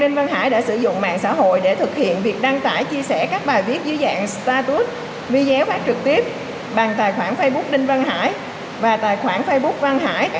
nguyễn văn hải đã sử dụng mạng xã hội để thực hiện việc đăng tải chia sẻ các bài viết dưới dạng startube vi giáo phát trực tiếp bằng tài khoản facebook đinh văn hải và tài khoản facebook văn hải